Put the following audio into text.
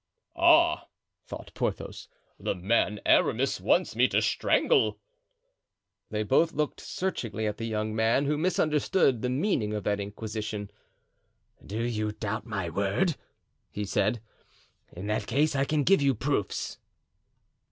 "Ah!" thought Porthos, "the man Aramis wants me to strangle." They both looked searchingly at the young man, who misunderstood the meaning of that inquisition. "Do you doubt my word?" he said. "In that case I can give you proofs."